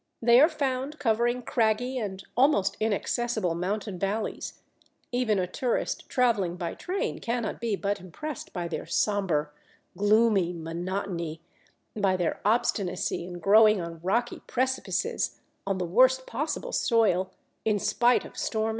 They are found covering craggy and almost inaccessible mountain valleys; even a tourist travelling by train cannot but be impressed by their sombre, gloomy monotony, by their obstinacy in growing on rocky precipices on the worst possible soil, in spite of storm and snow.